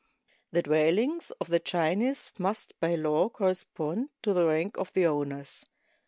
The dwellings of the Chinese must by law correspond to the rank of the owners.